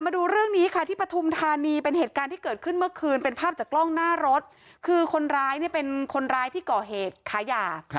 มาดูเรื่องนี้ค่ะที่ปฐุมธานีเป็นเหตุการณ์ที่เกิดขึ้นเมื่อคืนเป็นภาพจากกล้องหน้ารถคือคนร้ายเนี่ยเป็นคนร้ายที่ก่อเหตุขายา